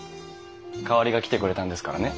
代わりが来てくれたんですからね。